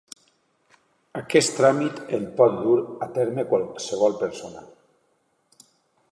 Aquest tràmit el pot dur a terme qualsevol persona.